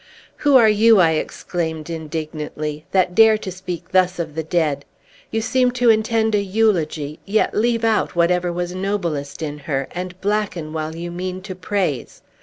"Who are you," I exclaimed indignantly, "that dare to speak thus of the dead? You seem to intend a eulogy, yet leave out whatever was noblest in her, and blacken while you mean to praise.